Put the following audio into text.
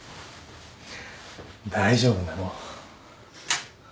大丈夫なの？